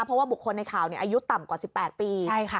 เพราะว่าบุคคลในข่าวอายุต่ำกว่า๑๘ปี